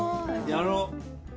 やろう。